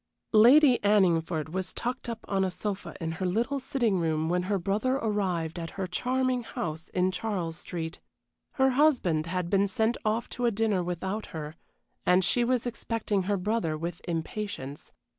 Lady Anningford was tucked up on a sofa in her little sitting room when her brother arrived at her charming house in Charles Street. Her husband had been sent off to a dinner without her, and she was expecting her brother with impatience.